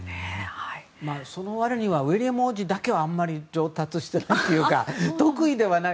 その割にはウィリアム王子だけはあまり上達してないというか得意ではない。